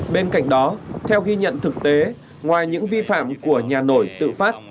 bên cạnh đó theo ghi nhận thực tế ngoài những vi phạm của nhà nổi tự phát